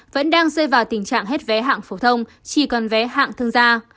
vẫn đang rơi vào tình trạng hết vé hạng phổ thông chỉ còn vé hạng thương gia